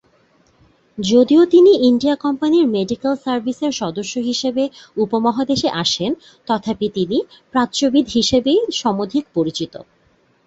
যদিও তিনি ইন্ডিয়া কোম্পানির মেডিক্যাল সার্ভিসের সদস্য হিসাবে উপমহাদেশে আসেন, তথাপি তিনি প্রাচ্যবিদ হিসাবেই সমধিক পরিচিত।